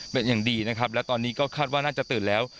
เป็นอย่างดีนะครับและตอนนี้ก็คาดว่าน่าจะตื่นแล้ว